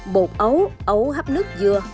bột ấu ấu hấp nước dưa